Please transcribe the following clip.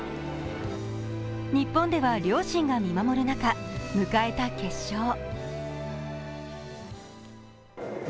日本では両親が見守る中、迎えた決勝。